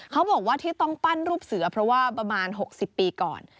เขาบอกว่าที่ต้องปั้นรูปเสือเพราะว่าประมาณ๖๐ปีก่อน